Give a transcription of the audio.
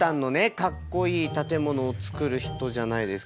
カッコイイ建物を作る人じゃないですか？